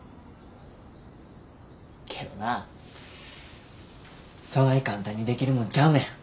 けどなそない簡単にできるもんちゃうねん。